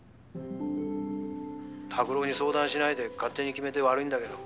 拓郎に相談しないで勝手に決めて悪いんだけど。